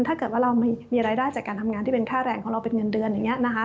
ถ้าเกิดว่าเรามีรายได้จากการทำงานที่เป็นค่าแรงของเราเป็นเงินเดือนอย่างนี้นะคะ